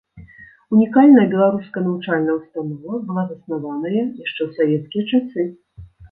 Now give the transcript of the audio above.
Унікальная беларуская навучальная ўстанова была заснаваная яшчэ ў савецкія часы.